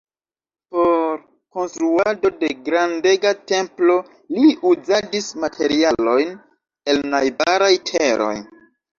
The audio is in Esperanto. Por konstruado de grandega templo li uzadis materialojn el najbaraj teroj.